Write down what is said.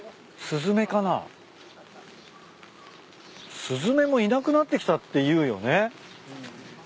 スズメもいなくなってきたっていうよね。